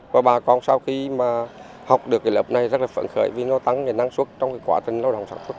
và bà con sau khi học được cái lớp này rất là phận khởi vì nó tăng năng suất trong quá trình lao động sản xuất